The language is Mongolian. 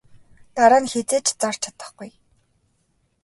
Дараа нь хэзээ ч зарж чадахгүй.